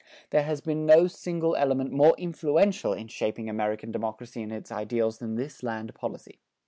There has been no single element more influential in shaping American democracy and its ideals than this land policy.